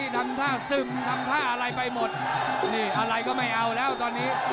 ทำท่าซึมทำท่าอะไรไปหมดนี่อะไรก็ไม่เอาแล้วตอนนี้